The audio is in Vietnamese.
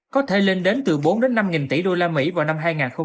có thể lên đến từ bốn năm nghìn tỷ usd vào năm hai nghìn hai mươi